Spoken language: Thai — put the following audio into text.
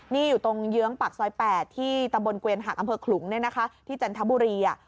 นี่อยู่ตรงเยื้องปากซอย๘ที่ตำบลเกวียนหักอำเภอขลุงที่จันทบุรี